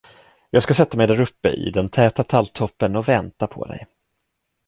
Jag ska sätta mig däruppe i den täta talltoppen och vänta på dig.